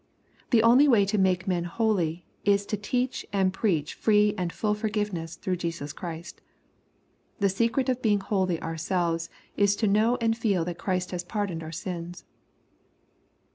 The only way to make men holy, is to teach and preach free and full forgiveness through Jesus Christ. The secret of being holy ourselves, is to know and feel that Christ has pardoned our sins.